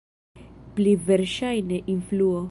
Pli verŝajne influo.